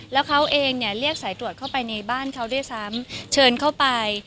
แล้วเขาเองเนี่ยเรียกสายตรวจเข้าไปในบ้านเขาด้วยซ้ำเชิญเข้าไป